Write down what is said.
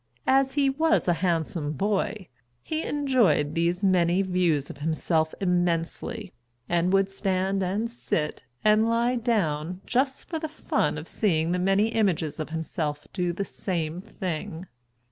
As he was a handsome boy, he enjoyed these many views of himself immensely, and would stand and sit and lie down just for the fun of seeing the many images of himself do the same thing.